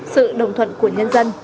sự đồng thuận của nhân dân